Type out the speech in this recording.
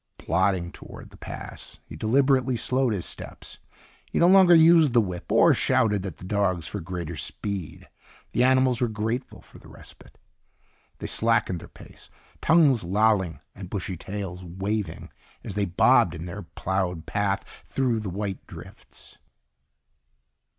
Plodding toward the pass, he deliberately slowed his steps. He no longer used the whip or shouted at the dogs for greater speed. The animals were grateful for the respite. They slackened their pace, tongues lolling and bushy tails waving as they bobbed in their plowed path through the white drifts.